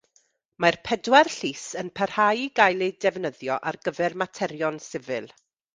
Mae'r Pedwar Llys yn parhau i gael eu defnyddio ar gyfer materion sifil.